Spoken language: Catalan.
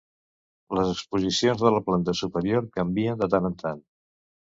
Les exposicions de la planta superior canvien de tant en tant.